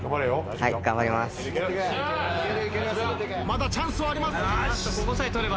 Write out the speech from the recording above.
まだチャンスはあります。